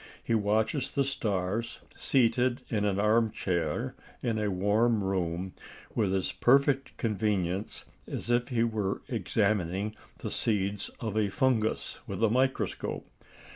He watches the stars, seated in an arm chair in a warm room, with as perfect convenience as if he were examining the seeds of a fungus with a microscope.